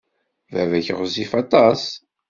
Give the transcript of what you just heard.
Baba-k ɣezzif aṭas.